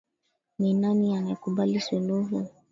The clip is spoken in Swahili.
Ni nani anayekubali suluhu?